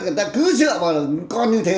người ta cứ dựa vào con như thế